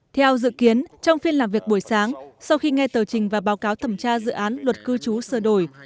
theo dự kiến trong phiên làm việc buổi sáng sau khi nghe tờ trình và báo cáo thẩm tra dự án luật cư trú sơ đổi